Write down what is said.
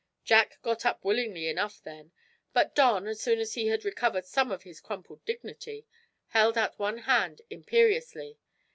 Jack got up willingly enough, then. But Don, as soon as he had recovered some of his crumpled dignity, held out one hand imperiously.